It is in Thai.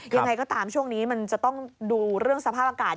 ยังไงก็ตามช่วงนี้มันจะต้องดูเรื่องสภาพอากาศ